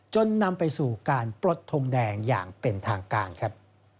จนนำไปสู่การปลดทงแดงอย่างเป็นทางการครับ